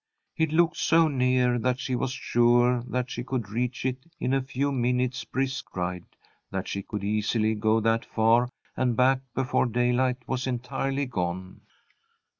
It looked so near that she was sure that she could reach it in a few minutes' brisk ride, that she could easily go that far and back before daylight was entirely gone.